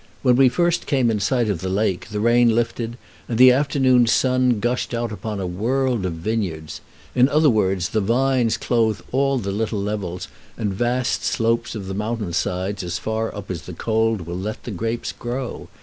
When we first came in sight of the lake the rain lifted, and the afternoon sun gushed out upon a world of vineyards. In other words, the vines clothe all the little levels and vast slopes of the mountain sides as far up as the cold will let the grapes grow.